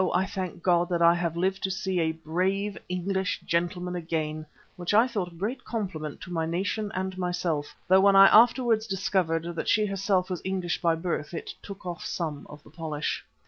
I thank God that I have lived to see a brave English gentleman again," which I thought a great compliment to my nation and myself, though when I afterwards discovered that she herself was English by birth, it took off some of the polish.